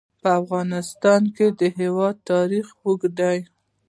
په افغانستان کې د هوا تاریخ اوږد دی.